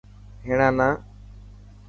هيڻا نه.